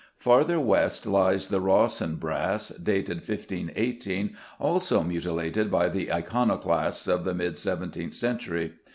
Farther west lies the Rawson brass, dated 1518, also mutilated by the iconoclasts of the mid seventeenth century.